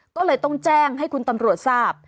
ก็เลยต้องแจ้งให้คุณตำรวจทราบ